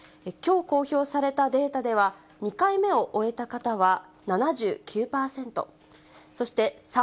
きょう公表されたデータでは、２回目を終えた方は７９％。